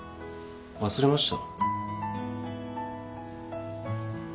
忘れました。